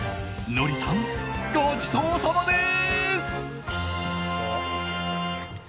ノリさん、ごちそうさまです！